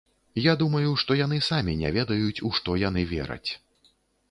Я думаю, што яны самі не ведаюць, у што яны вераць.